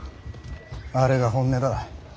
あれが本音だ。